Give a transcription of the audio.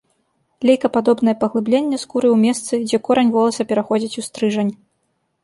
Лейкападобнае паглыбленне скуры ў месцы, дзе корань воласа пераходзіць у стрыжань.